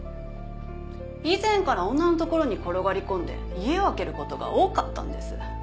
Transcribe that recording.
以前から女のところに転がり込んで家を空ける事が多かったんです。